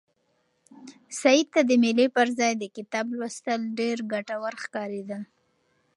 سعید ته د مېلې پر ځای د کتاب لوستل ډېر ګټور ښکارېدل.